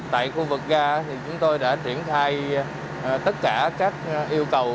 tại khu vực ga thì chúng tôi đã triển khai tất cả các yêu cầu